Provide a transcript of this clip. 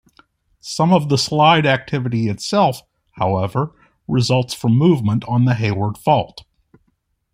Some of the slide activity itself, however, results from movement on the Hayward Fault.